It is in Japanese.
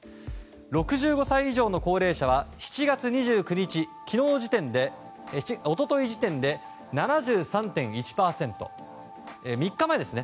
６５歳以上の高齢者は７月２９日、一昨日時点で３日前ですね。